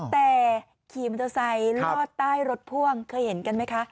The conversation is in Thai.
แต่ขี่มอเตอร์ไซค์ลอดใต้รถพ่วงเคยเห็นกันไหมคะ